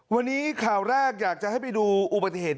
วันนี้ข่าวแรกอยากจะให้ไปดูอุบัติเหตุ